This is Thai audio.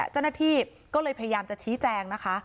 เจ้าหน้าที่ก็เลยพยายามจะชี้แจงนะคะ